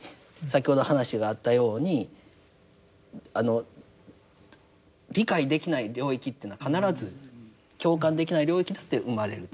先ほど話があったように理解できない領域というのは必ず共感できない領域だって生まれる。